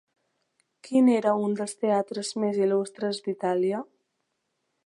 Quin era un dels teatres més il·lustres d'Itàlia?